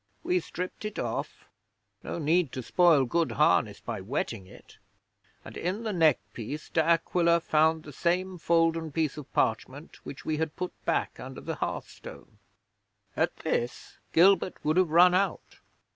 We stripped it off (no need to spoil good harness by wetting it), and in the neck piece De Aquila found the same folden piece of parchment which we had put back under the hearthstone. 'At this Gilbert would have run out.